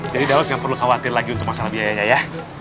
jadi daud gak perlu khawatir lagi untuk masalah biayanya ya